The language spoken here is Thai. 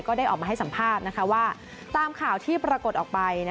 ได้ออกมาให้สัมภาษณ์ว่าตามข่าวที่ปรากฏออกไป